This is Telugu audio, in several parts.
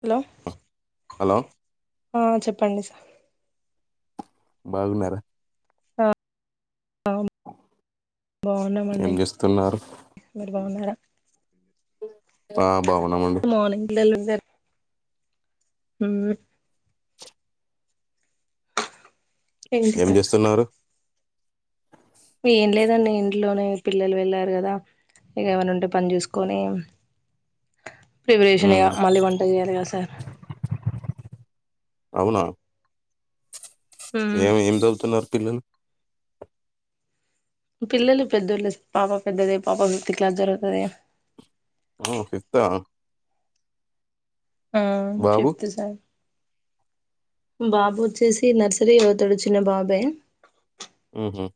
హలో హలో ఆ చెప్పండి సార్ బాగున్నారా ఆ ఆమ్ ఏం బాగున్నామండి చేస్తున్నారు మీరు బాగున్నారా ఆ బాగున్నమండి జేర్ ఉ ఏంటి ఏం సార్ చేస్తున్నరు ఏం లేదండి ఇంట్లోనే పిల్లలు వెళ్ళారుగదా ఇగ ఏమన్నుంటే పన్ చూసుకొని [unintelligible] ప్రిపరేషన్ ఇగ ఉమ్ మళ్ళీ వంట చేయాలేగా సార్ అవునా మ్మ్. ఏం ఏం చదువుతున్నరు పిల్లలు పిల్లలు పెద్దోళ్ళే సార్ పాప పెద్దదే పాప ఫిఫ్త్ క్లాస్ చదువుతాది ఆ ఫిఫ్తా ఆమ్ బాబు ఫిఫ్త్ సార్ బాబు వచ్చేసి నర్సరీ చదువుతాడు చిన్న బాబి ఆహ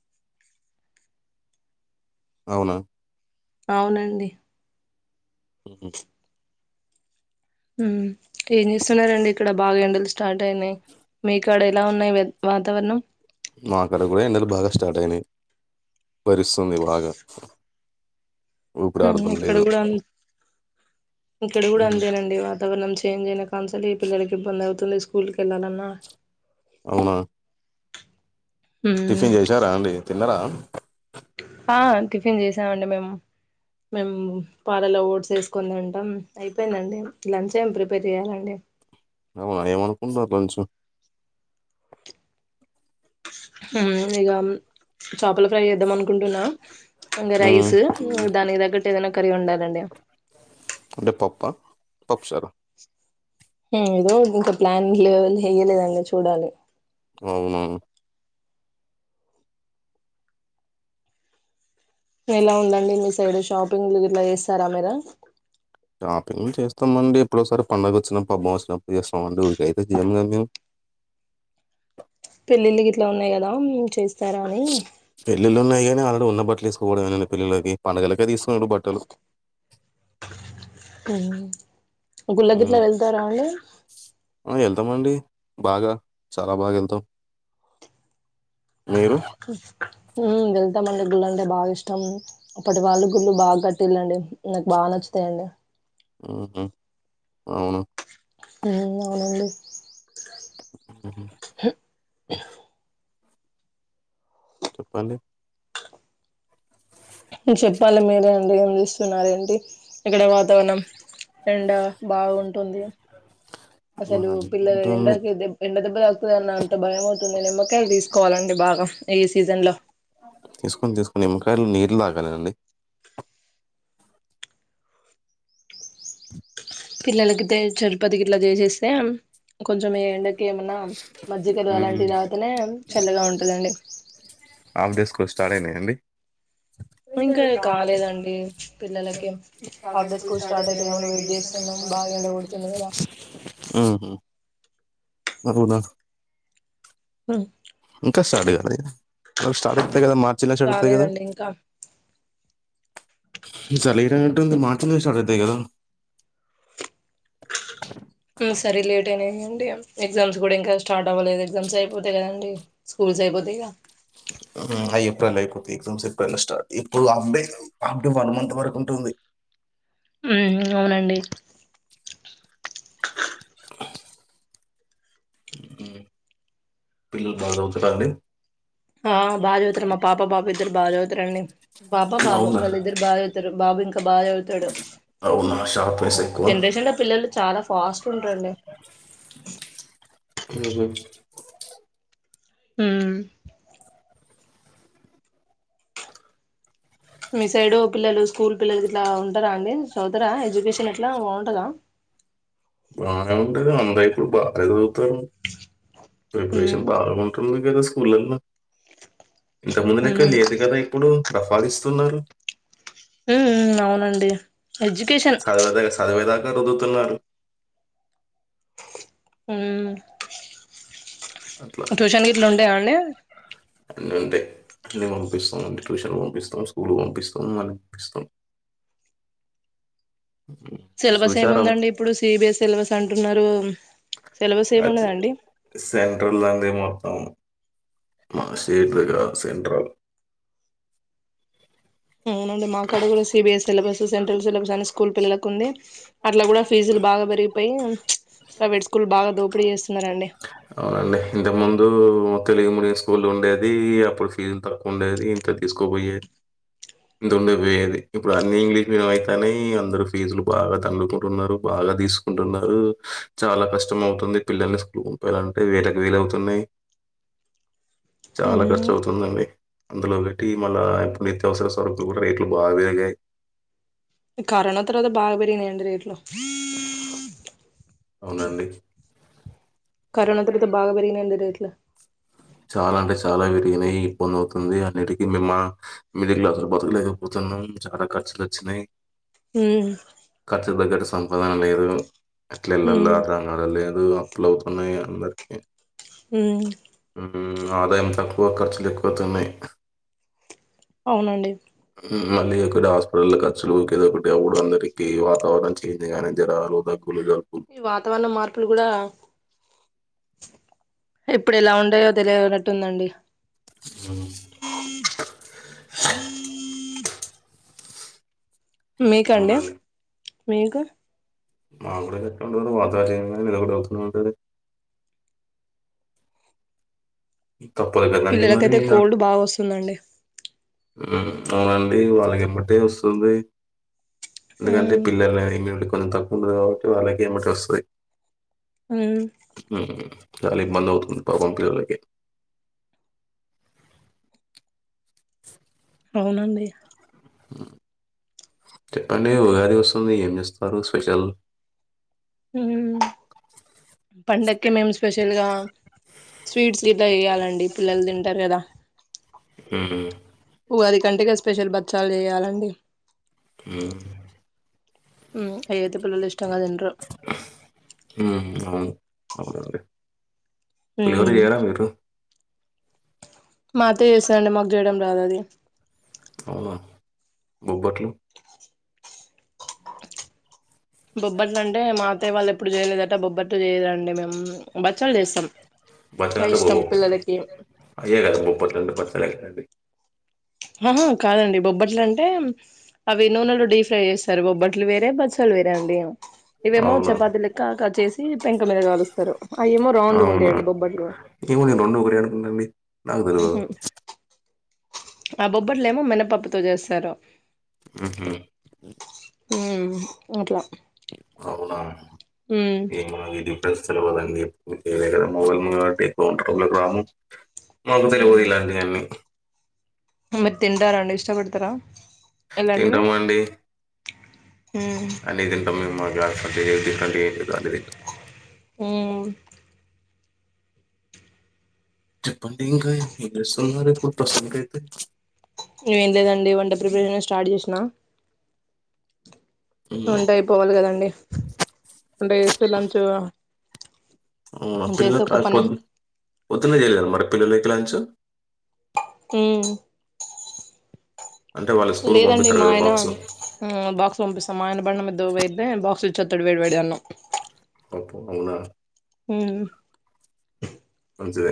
అవునా అవునండి హ ఏం చేస్తున్నండి ఇక్కడ బాగా ఎండలు స్టార్ట్ అయినాయి మీకడ ఎలా ఉన్నాయి వాతావరణం మాకడ కూడా ఎండలు బాగా స్టార్ట్ అయినాయి పరిస్ తుంది బాగా ఉహు ఊపిరాడతం ఇక్కడ లేదు కూడా అం ఇక్కడ కూడా ఉహు అంతేనండి వాతావరణం చేంజ్ అయిన కాన్సల్ ఈ పిల్లలకి ఇబ్బంది అవుతుంది స్కూల్కి వెళ్ళాలన్నా అవునా ఉమ్ టిఫిన్ చేసారా అండి తిన్నరా ఆ టిఫిన్ చేసామండి మేము మేము పాలలో ఓడ్స్ వేసుకుని తింటాం. అయిపోయిందండి. లంచ్ ఏం ప్రిపేర్ చెయ్యాలండి. అవునా ఏమనుకురు లంచ్ హుమ్ ఇగ చేపల ఫ్రై చేద్దాం అనుకుంటున్నా ఇంకా ఉమ్ రైస్ దానికి తగ్గట్టు ఏదైనా కర్రీ ఉండాలండి. అంటే పప్పా పప్పు సారు ఏదో ఇంకా ప్లాన్ లెవెల్ ఏయలేదండి చూడాలి అవునా ఎలా ఉందండి మీ సైడ్ షాపింగ్ గిట్లా చేస్తారా మీర షాపింగ్ చేస్తామండి. ఎప్పుడోసారి పండగ వచ్చినప్పుడు పబ్బం వచ్చినప్పుడు చేస్తామండి. ఊరికైతే చేయము కద మేము. పెళ్ళిళ్లు గిట్లా ఉన్నాయి కదా చేస్తారా అని పెళ్ళిళ్ళు ఉన్నాయి గానీ, ఆల్రెడీ ఉన్న బట్టలు తీసుకోవడంమేండి పిల్లలకి పండగలకే తీస్తున్నాడు బట్టలు ఉమ్ గుళ్ళగిట్లో వెళ్తారా అండి వెళ్తామ అండి బాగా చాలా బాగా వెళ్తాం మేమే ఎల్ ఇమ గుళ్ళు అంటే బాగా ఇష్టం అప్పటి వాళ్ళు గుళ్ళు బాగా కట్టిళండి నాకు బాగా నచ్చుతాయండి. ఊహు అవును ఉ అవునండి హుహు. చెప్పండి స్తున్నరు ఏంటి ఇక్కడ వాతావరణం ఎండా బాగుంటుంది అసలు బానే పిల్ల ఉంటుంది. ఎండకి ఎండ దెబ్బ తాకుతుంది అన్న అంత భయంమవుతుందిని నిమ్మకాయలు తీసుకోవాలన్ భాగ ఈ సీజన్ లో తీసుకొన్ తీసుకొని నిమ్మకాయలు నీళ్ తాగాలినండి పిల్లలకితే చెరుపతికి ఇట్లా చేసేస్తే కొంచెం ఎండకి ఏమన్నా మజ్జిగలు హ్మ్. అలాంటివి తాగితనే చల్లగా ఉంటదండి. ఆఫ్ డే స్కూల్ స్టార్ట్ అయినాయిండి ఇంకా కాలేదండి పిల్లలకి half day schools school start అయితే ఏమన్నా వెయిట్ చేస్తున్నాం బాగా ఎండ కొడుతుంది కదా ఉహు వదుడా ఇంకా స్టార్ట్ కాద అది స్టార్ట్ అయితాయి కదా మార్చిలో జరుగుతాయి కదా కాలేదండి ఇంకా చర ఇరంటుంది మార్చ్ లోనే స్టార్ట్ అవుతాయి కదా సరి లేట్ అయినాయండి ఎగ్జామ్స్ కూడా ఇంకా స్టార్ట్ అవ్వలేదు. ఎగ్జామ్స్ అయిపోతేయి కదండి స్కూల్స్ అయిపోతా లీల్లా ఏప్రిల్ అయిపోతే ఎగ్జామ్స్ ఏప్రిల్ స్టార్ట్ ఇప్పుడు అప్డే అప్డే వన్ మంత్ వరకు ఉంటది ఉం అవునండి పిల్లలు బాగా చదువుతర అండి ఆ బాగా చదువుతారు. మా పాప బాబు ఇద్దరు బాగా చదువుతారండి. పాప బాబు అవునా వాళ్ళ ఇద్దరు బాగా చదువుతారు బాబు ఇం బాగ చదువుతడు అవునా షాప్ వేసి ఎక్కువ జనరేషన్లో పిల్లలు చాలా ఫాస్ట్ ఉంటారండి మ్మ్ హు మ్మ్ మీ సైడు పిల్లలు స్కూల్ పిల్లల ఇట్లా ఉంటారా అండి చూదరా ఎడ్యుకేషన్ ఎట్లా బాగుంటదా బాగా ఉంటది అంతా ఇప్పుడు బాగా చదువుతారు ఉమ్ ప్రిపరేషన్ బాగా ఉంటది కదా స్కూలల్లో ఇంత ముందుక ఉమ్ లేదు కదా ఇప్పుడు రఫ్ఫాడిస్తున్నారు మ్మ్ మ్మ్ అవునండి ఎడ్యుకేషన్ చదువేదాకా చదువేదాకా రుద్దుతున్నారు మ్మ్ అట్లా ట్యూషన్ గిట్ల వుంటాదా అండి మూ అంతే అన్నీ పంపిస్తాం అంటే ట్యూషన్ పంపిస్తాం స్కూల్ పంపిస్తాం మళీ పంపిస్తాం సిలబస్ చూశారా ఏముందండి ఇప్పుడు సి బి ఎస్ సిలబస్ అంటున్నారు సిలబస్ అది ఏమున్నదండి సెంట్రలో ఉంది మొత్తం మా శీదుగా సెంటల్ అవునండి మాక్కడ కూడా C B S syllabus central syllabus అని స్కూల్ పిల్లలకు ఉంది అట్లా కూడా ఫీజులు బాగా పెరిగిపోయి ప్రైవేట్ స్కూల్ బాగా దోపిడీ చేస్తున్నరండి అవునండి ఇంతకముందు తెలుగు మీడియం స్కూల్ ఉండేది అప్పుడు ఫీజులు తక్కువ ఉండేది ఇంత ఛ తీస్కు పోయిే ఇంతండే వేది ఇప్పుడు అన్ని ఇంగ్లీష్ మీడియం అయితాన్నాయి అందరు ఫీజులు బాగా తన్నుకుంటున్నారు బాగా బాగా తీసుకుంటున్నారు చాలా కష్టం అవుతుంది పిల్లల స్కూల్ ఎలా అంటే వేళకి వే చాలా ఖర్చవుతుందండి అందులో పెట్టి మళ్ళా ఎప్పుడు నిత్యవసర సరకులు కూడా రేట్లు బాగా పెరిగాయి కరోనా తరువాత బాగా పెరిగినాయి అండి రేట్లు అవునండి కరోనా తరువతా భాగా పెరిగినాయి అండి రేట్లు చాలా అంటే చాలా విరిగినయి ఇబ్బంది అవుతుంది అన్నిటికి మేమ్ మా మిడి క్లాసులు బతకలేకపోతున్నా మనం చాలా ఖర్చులు వచ్చినాయి ఉమ్ ఖర్చుకు దగ్గట సంపాదన లేదు అట్లా ఉమ్ ఇళ్ళలో రంగ లేదు మ్మ్ అప్పులవుతున్నాయి అందరికి మ్మ్ మ్మ్ ఆదాయం తక్కువ ఖర్చులు ఎక్కువవుతున్నాయి అవునండి మళ్ళీ ఇక్కడ హాస్పిటల్ ఖర్చులు ఏద ఒకటి అప్పుడు అందరికి వాతావరణం చేంజ్ గానే జర రోగ్ ఈ వాతావరణ మార్పులు కూడా ఎప్పుడు ఎలా ఉండాయో తెలియనట్టుందండి మ్మ్ మీకండి అవునండి. మీకు మామిడాకులు అజాజి [unintelligible] ఇక తప్పలే కద అండి మరి పిల్లలకైతే కోల్డ్ బాగా వస్తుందండి ఆ అవునండి వాళ్ళకి ఇంబటే వస్తుంది లేదంటే ఉమ్ పిల్లల ఇమ్యూనిటీ కొంత తక్కువ కాబట్టి వాళ్ళకే ఎంబట వస్తది ఉమ్ మ్మ్ గాలి మందవుతు పంపిర్లే ఇక్ అవునండి మ్మ్ చెప్పండి ఉగాది వస్తుంది ఏం చేస్తారు స్పెషల్ హ్మ్ పండక్కి మేము స్పెషల్ గా స్వీట్స్ గిట్ల చేయ్యాలండి పిల్లలు తిన్ అంటారు కదా హ్మ్. ఉగాది కంటె గా స్పెషల్ బచ్చాలు చేయాలండి హ్మ్ అయ్యతే ఫుల్ ఇష్ట ఉహు అవునండి పులిహోర ఉమ్ చేయరా మీరు మా అత్త చేస్తాడండీ మాకు చేయడం రాదు అది అవున బొబ్బట్లు బొబ్బట్లు అంటే మా అతయ్య వాళ్ళు ఎప్పుడు చేయలేదటా బొబ్బట్లు చేయలేదండి మేము బచ్చళు చేస్తాం అవి ఇష్టం పిల్లలకి చేయరాద బొబ్బట్లు అంత పచ్చడి అయిదండి ఆహా కాదండి బొబ్బట్లంటే అవి నూనెలో డీప్ ఫ్రై చేస్తారు బొబ్బట్లు వేరే బచ్చళ్లు వేరే అండి ఇవేమో అవునా చపాతి లెక్క కా చేసి పెంక మీద కాలుస్తారు అవేమో రౌండ్గా ఉంటాయండి బొబ్బట్లు ఇవి రెండు ఒకటే అనుకున్న అండి నాకు తెల్వదు ఉహు ఆ బొబ్బట్లేమో మినపప్పుతో చేస్తారు ఉహు హమ్ అట్లా అవునా ఉమ్ ఏమో నాకు తెలీదు [inaudible] మాకు తెలియదు ఇలాంటివన్నిీ మరి తింటార అండి ఇష్టపడతారా ఎలాంటివి తింటామండి ఉమ్ అన్ని తింటాం మేము ఇది అది అని మీ లేదు అన్ని తింటాం హుమ్ చెప్పండి ఇంకా ఏం చేస్తున్నారు ఇప్పుడు ప్రస్తుతానికి ఐతే ఏం లేదండి వంట ప్రిపరేషన్ స్టార్ట్ చేసిన మ్, వంట అయిపోవాలి కదండి వంట చేస్తూ లంచ్ చేస్తే పిల్ల ఒక పని పొద్ పొద్దున్న చెయలి మరి పిలలకి లంచ్ హ్మ్మ్ అంటే వాళ్ళ స్కూల్ లేదండి పంపిస్తారు మా కదా ఆయన బాక్స్ మ్ బాక్స్ పంపిస్తాం మా ఆయన బండి మీద పోయితే బాక్స్ వ చత్తడు వేడివేడి అన్నం అప్పు అవునా హ్మ్ జే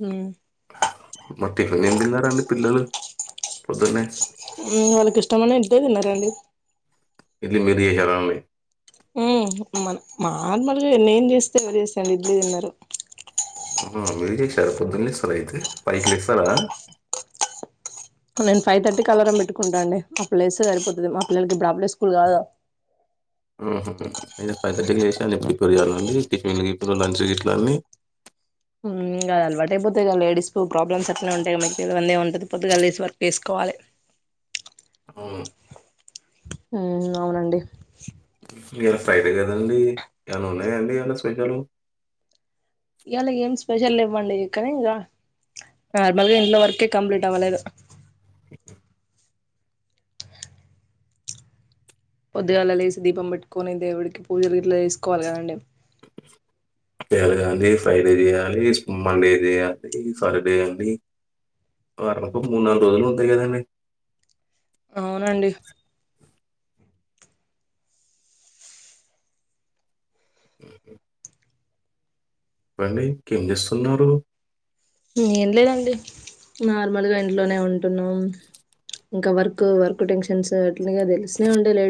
హ్మ్ మరి టిఫన్ ఏం తిన్నారండి పిలలు పొద్దున్నే మ్ వాళ్ళకి ఇష్టమైన ఇడ్లీ తిన్నారండి చేయాలండి మ నార్మల్గా నేను చేస్తే ఎవరి చేస్తారూ చేస్తారు ఇడ్లీ తిన్నారు ఆ మీరుసారు పొద్దున్న లేస్తారా అయితే ఫైవ్ కి లేస్తారా నేను ఫైవ్ థర్టీ కి అలారం పెట్టుకుంటాండి అప్పుడు లేస్తే సరిపోది మా పల్లకిప్పుడుడలే స్కూల్ కాదా అయి ఫైవ్ థర్టీకి లేసిన ప్రిపేర్ కావా అండి టిఫిన్ ఇప్పు లంచ్ గిట్లన్నీ హ్మ్మ్ ఇగ అలవాటు అయిపోతది లేడీస్ కి ప్రాబ్లమ్స్ అట్లనే ఉంటాయి అల్లెమ్ ఉంటది పొద్దుగాల లేసి వర్క్ చేసుకో వాలే హ్మ్మ్ హ్మ్మ్ అవునండి ఇలా ఫ్రైడే కదాండి ఏమన్నా ఉన్నాయా అండి ఏమన్న స్పెషల్ ఇయలా ఏం స్పెషల్ లేవ్వండి కని ఇగ నార్మల్గా ఇంట్లో వర్కే కంప్లీట్ అవ్వలేదు పొద్దుగాళ్ళ లేసి దీపం పెట్టుకొని దేవుడికి పూజలుగిట్ల చేసుకోవాలి కదండి తీస్ చేయలి గదండి ఫ్రైడే చేయాలి మండే చేయాలి సటర్డే అండి వారానికో అవును మూడు నాలుగు రోజులు ఉంటాయి కదండి అవునండి అ పండి ఇంకేం చేస్తున్నారు ఏం లేదండి నార్మల్గా ఇంట్లోనే ఉంటున్నాం ఇంకా వర్క్ వర్క్ టెన్షన్స్ అట్లిగా తెలిసినే ఉండే లేడు